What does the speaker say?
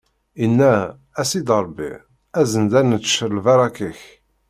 inna: A Sidi Ṛebbi, azen-d ad nečč lbaṛaka-k!